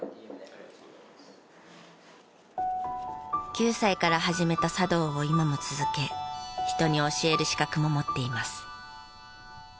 ９歳から始めた茶道を今も続け人に教える資格も持っています。